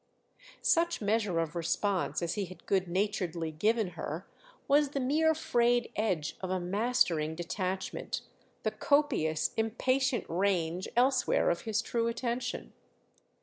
Such measure of response as he had good naturedly given her was the mere frayed edge of a mastering detachment, the copious, impatient range elsewhere of his true attention.